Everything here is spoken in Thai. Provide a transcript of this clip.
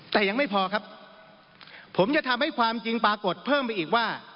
แต่ยังไม่พอครับผมจะทำให้ความจริงปรากฏเพิ่มไปอีกว่า